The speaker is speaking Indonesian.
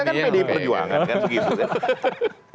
tiga kan pdi perjuangan kan